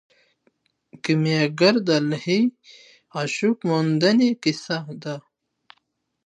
کیمیاګر د الهي عشق موندنې کیسه ده.